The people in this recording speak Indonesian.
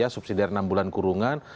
subsidi dari enam bulan kurungan